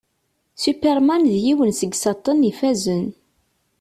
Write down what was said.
Superman d yiwen seg isaṭṭen ifazen.